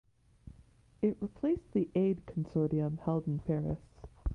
It replaced the Aid Consortium held in Paris.